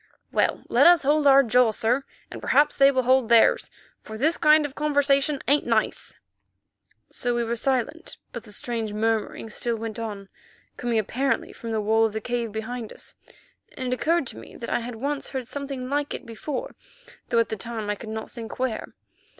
"Well, let us hold our jaw, sir, and perhaps they will hold theirs, for this kind of conversation ain't nice." So we were silent, but the strange murmuring still went on, coming apparently from the wall of the cave behind us, and it occurred to me that I had once heard something like it before, though at the time I could not think where.